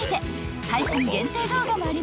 ［配信限定動画もあります